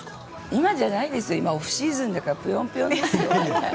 今じゃないですよオフシーズンだからポヨンポヨンです。